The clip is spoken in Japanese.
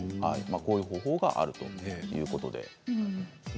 こういう方法があるということです。